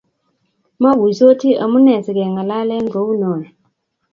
moguisoti omunee sing'alalen kou noe